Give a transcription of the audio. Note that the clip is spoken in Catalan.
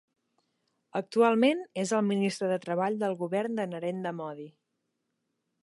Actualment és el ministre de Treball del govern de Narendra Modi.